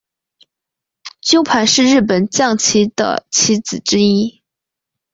鸠盘是日本将棋的棋子之一。